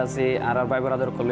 saya mau hidup di rakhine